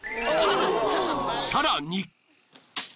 ［さらに！］